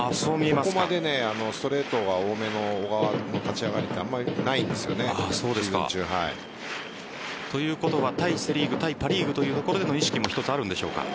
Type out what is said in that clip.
ここまでストレートが多めの小川の立ち上がりあまりないんです。ということは対セ・リーグ対パ・リーグというところでの意識も一つあるんでしょうか。